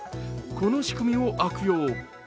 この仕組みを悪用。